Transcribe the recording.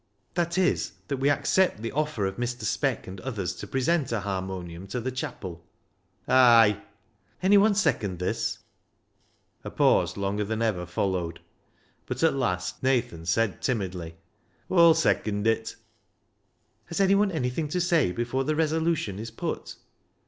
"That is, that we accept the offer of Mr. Speck and others to present a harmonium to the chapel." " Ay !"" Anyone second this ?" A pause longer than ever followed, but at last Nathan said timidly — "Aw'll second it." 23 354 BECKSIDE LIGHTS " Has anyone anything to say before the resolution is put?